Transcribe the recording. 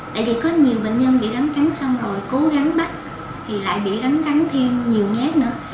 tại vì có nhiều bệnh nhân bị rắn cắn xong rồi cố gắng bắt thì lại bị rắn cắn thêm nhiều nhát nữa